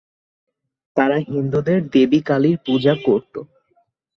তারা হিন্দুদের দেবী কালীর পূজা করত।